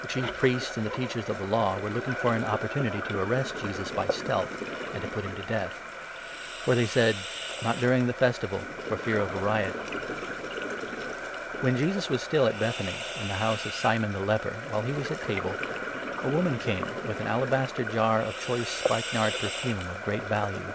The jesus. Chief Priests and the Teachers of the Law were looking for an opportunity to arrest Jesus by stealth, and to put him to death ; for they said :'' Not during the Festival, 2 for fear of a riot." When Jesus was still at Bethany, in the house 3 anointed by °^ Simon the leper, while he was at table, a a woman woman came with an alabaster jar of choice at Bethany, spikenard perfume of great value.